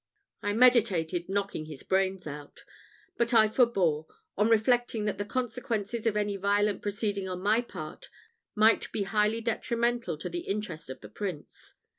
I meditated knocking his brains out, but I forbore, on reflecting that the consequences of any violent proceeding on my part might be highly detrimental to the interest of the Prince.